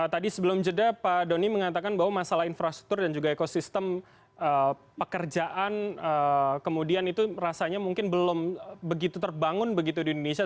tadi sebelum jeda pak doni mengatakan bahwa masalah infrastruktur dan juga ekosistem pekerjaan kemudian itu rasanya mungkin belum begitu terbangun begitu di indonesia